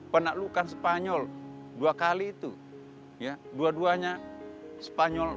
penaklukan spanyol dua kali itu ya dua duanya spanyol